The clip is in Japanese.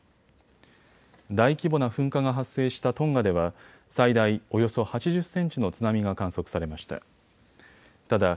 大規模な噴火が発生したトンガでは最大およそ８０センチの津波が観測されました。